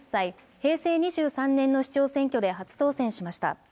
平成２３年の市長選挙で初当選しました。